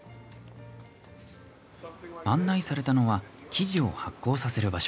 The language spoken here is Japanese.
案内されたのは生地を発酵させる場所。